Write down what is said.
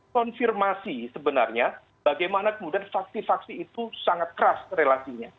konfirmasi sebenarnya bagaimana kemudian faksi faksi itu sangat keras relasinya